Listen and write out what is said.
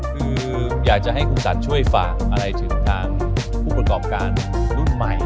คืออยากจะให้คุณสันช่วยฝากอะไรถึงทางผู้ประกอบการรุ่นใหม่